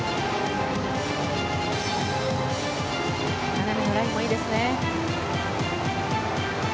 斜めのラインもいいですね。